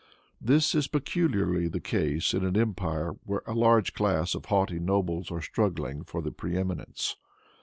This is peculiarly the case in an empire where a large class of haughty nobles are struggling for the preëminence.